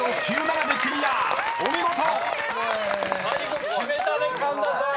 最後決めたね神田さん。